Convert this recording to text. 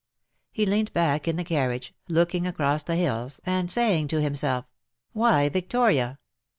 He leant back in the carriage, looking across the hills, and saying to himself, " Why, Victoria